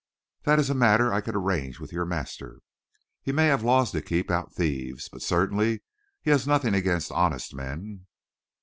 "That is a matter I can arrange with your master. He may have laws to keep out thieves, but certainly he has nothing against honest men."